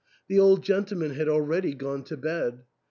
The old gentleman had already gone to bed.